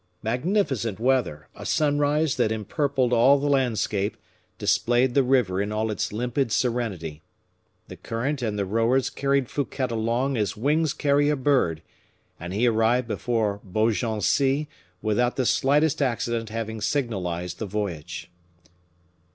Magnificent weather, a sunrise that empurpled all the landscape, displayed the river in all its limpid serenity. The current and the rowers carried Fouquet along as wings carry a bird, and he arrived before Beaugency without the slightest accident having signalized the voyage.